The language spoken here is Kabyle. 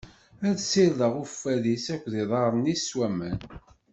Ad issired uffad-is akked iḍarren-is s waman.